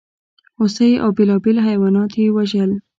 هوسۍ او بېلابېل حیوانات یې وژل.